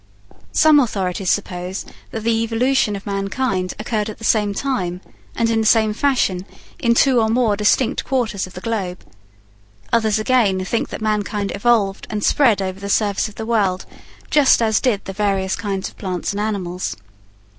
Some authorities suppose that the evolution of mankind occurred at the same time and in the same fashion in two or more distinct quarters of the globe. Others again think that mankind evolved and spread over the surface of the world just as did the various kinds of plants and animals.